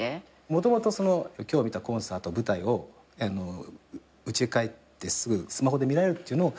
もともと今日見たコンサート舞台をうちへ帰ってすぐスマホで見られるっていうのを。